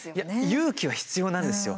勇気は必要なんですよ